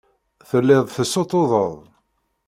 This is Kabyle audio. Telliḍ tessuṭṭuḍeḍ.